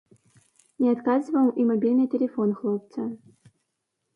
Не адказваў і мабільны тэлефон хлопца.